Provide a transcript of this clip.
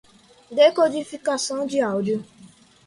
decodificação de áudio